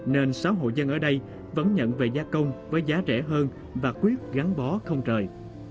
nên xã hội dân ở đây vẫn nhận về gia công với giá rẻ hơn và quyết gắn bó không rời